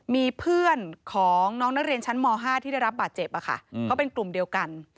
มีเพื่อนของน้องนักเรียนชั้นม๕ที่ได้รับบาดเจ็บเขาเป็นกลุ่มเดียวกัน